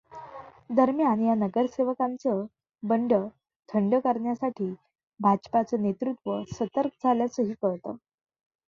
दरम्यान या नगरसेवकांचं बंड ठंड करण्यासाठी भाजपचं नेतृत्त्व सतर्क झाल्याचंही कळतं.